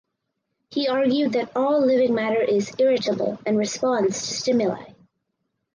He argued that all living matter is "irritable" and responds to stimuli.